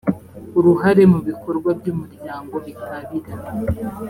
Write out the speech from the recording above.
uruhare mu bikorwa by umuryango bitabira